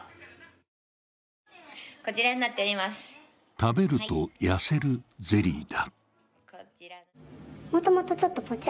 食べると痩せるゼリーだ。